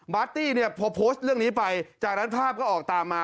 ตี้เนี่ยพอโพสต์เรื่องนี้ไปจากนั้นภาพก็ออกตามมา